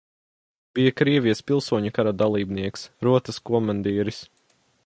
Bija Krievijas pilsoņu kara dalībnieks, rotas komandieris.